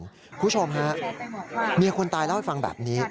คุณผู้ชมฮะเมียคนตายเล่าให้ฟังแบบนี้